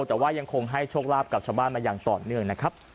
แต่ว่ายังคงให้โชคลาภกับชาวบ้านมาอย่างต่อเนื่องนะครับ